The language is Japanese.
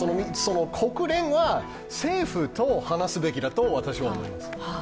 国連は政府と話すべきだと私は思います。